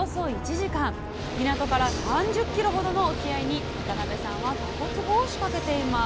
港から３０ｋｍほどの沖合に渡辺さんはたこつぼを仕掛けています。